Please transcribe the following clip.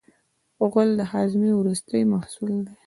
غول د هاضمې وروستی محصول دی.